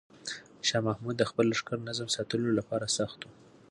شاه محمود د خپل لښکر نظم ساتلو لپاره سخت و.